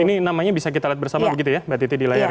ini namanya bisa kita lihat bersama begitu ya mbak titi di layar